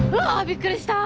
びっくりした。